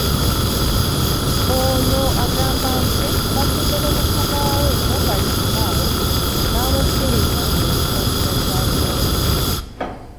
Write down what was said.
Ono agamba nti, batudde ne mukamaawe Nobert Mao n’amukkiriza awagire Kyagulanyi.